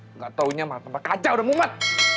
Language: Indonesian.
tidak tahunya mata mata kaca sudah mumet